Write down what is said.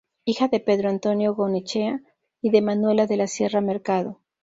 Hija de Pedro Antonio Goyenechea y de Manuela de la Sierra Mercado.